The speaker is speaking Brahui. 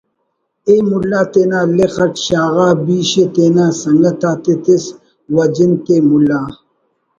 ءِ مَلا تینا لخ اٹ شاغا بیش ءِ تینا سنگت آتے تس وجند تے ملا